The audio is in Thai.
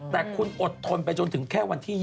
แต่คุณอดทนไปจนถึงแค่วันที่๒